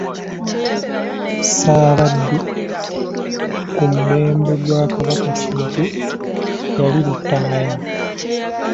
Ssaabaddu ku mulembe gwa Kabaka Kintu yali Lutaaya.